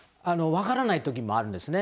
分からないときもあるんですね。